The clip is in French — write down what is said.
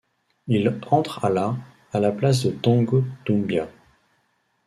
Il entre à la à la place de Tongo Doumbia.